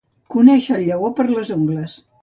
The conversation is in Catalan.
Conèixer el lleó per les ungles.